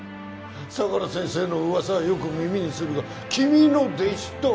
相良先生の噂はよく耳にするが君の弟子とは。